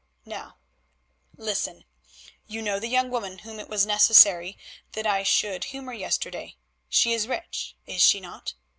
Now, listen. You know the young woman whom it was necessary that I should humour yesterday. She is rich, is she not?"